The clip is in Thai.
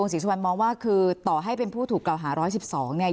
ผู้สิจุบันมองว่าคือต่อให้เป็นผู้ถูกกล่าวหาร้อยสิบสองเนี่ย